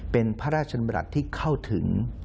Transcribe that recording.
เป็นพระราชจริยวัตรที่เข้าถึง